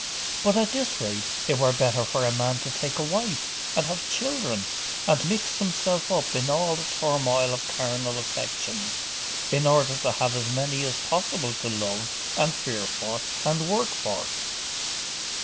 'But at this rate, it were better for a man to take a wife, and have children, and mix himself up in all the turmoil of carnal affections, in order to have as many as possible to love, and fear for, and work for.